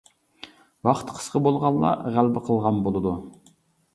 ۋاقتى قىسقا بولغانلار غەلىبە قىلغان بولىدۇ.